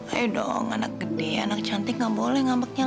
ayo dong anak gede anak cantik gak mau disuntik obat penenang